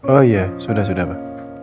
oh iya sudah sudah pak